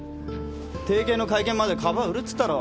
提携の会見まで株は売るって言ったろ。